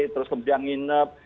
terus kemudian nginep